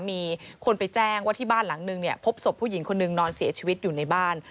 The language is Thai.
มีคนไปแจ้งว่าที่บ้านหลังนึงเนี่ยพบศพผู้หญิงคนนึงนอนเสียชีวิตอยู่ในบ้าน